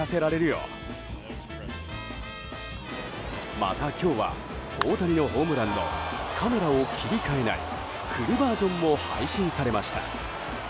また、今日は大谷のホームランのカメラを切り替えないフルバージョンも配信されました。